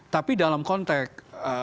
tapi dalam konteks